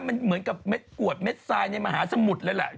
มันเหมือนกับกรวดเม็ดไซค์ในมหาสมุทธ์เลยหล่ะ